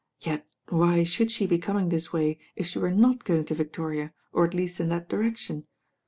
Yet why should she be coming this way if she were not going to Vic toria, or at least in that direction.